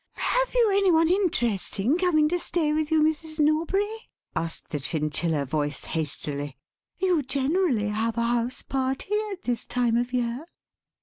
"Have you any one interesting coming to stay with you, Mrs. Norbury?" asked the chinchilla voice, hastily; "you generally have a house party at this time of year."